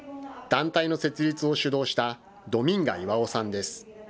団体の設立を主導したドミンガ・イワオさんです。